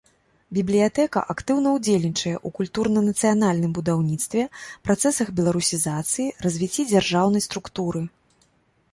Бібліятэка актыўна ўдзельнічае ў культурна-нацыянальным будаўніцтве, працэсах беларусізацыі, развіцці дзяржаўнай структуры.